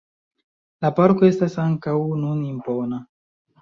La parko estas ankaŭ nun impona.